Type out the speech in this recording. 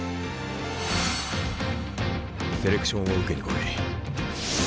セレクションを受けに来い。